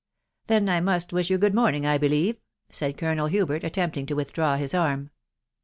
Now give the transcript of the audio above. " Then I must wish you good morning, I believe,'' said Colonel Hubert, attempting to withdraw his arm.